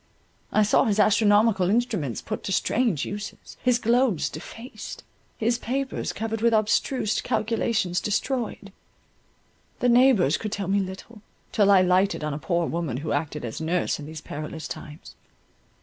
I saw his astronomical instruments put to strange uses, his globes defaced, his papers covered with abstruse calculations destroyed. The neighbours could tell me little, till I lighted on a poor woman who acted as nurse in these perilous times.